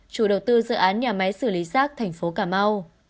chủ đầu tư dự án nhà máy xử lý rác thành phố cà mau